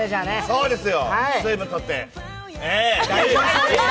そうですよ、水分とって。